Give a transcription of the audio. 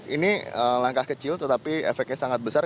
ini langkah kecil tetapi efeknya sangat besar